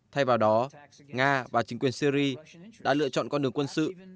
thay vào đó nga và chính quyền syri đã lựa chọn con đường quân sự